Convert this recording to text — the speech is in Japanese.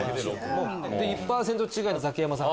１％違いでザキヤマさん。